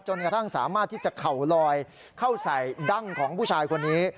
กระทั่งสามารถที่จะเข่าลอยเข้าใส่ดั้งของผู้ชายคนนี้